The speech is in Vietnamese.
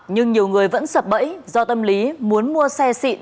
nhưng nhiều người vẫn sập bẫy do tâm lý muốn mua xe xịn